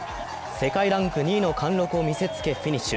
世界ランク２位の貫禄を見せつけフィニッシュ。